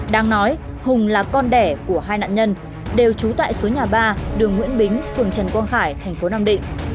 đang nói hùng là con đẻ của hai nạn nhân đều trú tại số nhà ba đường nguyễn bính phường trần quang khải thành phố nam định